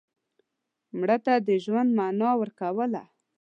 مړه ته د ژوند معنا ورکوله